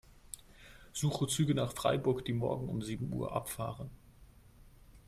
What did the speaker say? Suche Züge nach Freiburg, die morgen um sieben Uhr abfahren.